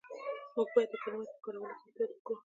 موږ باید د کلماتو په کارولو کې احتیاط وکړو.